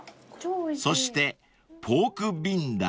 ［そしてポークビンダル］